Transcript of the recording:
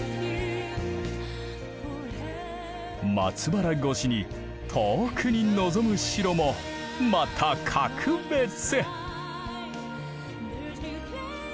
松原越しに遠くに望む城もまた格別！